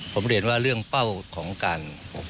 ผมเรียนว่าเรื่องเป้าของการ